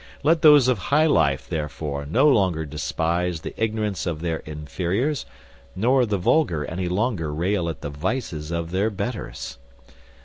Let those of high life, therefore, no longer despise the ignorance of their inferiors; nor the vulgar any longer rail at the vices of their betters.